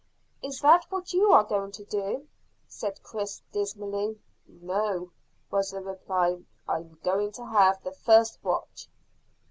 "Is that what you are going to do?" said Chris dismally. "No," was the reply; "I'm going to have the first watch."